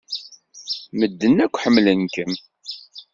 Medden akk ḥemmlen-kem.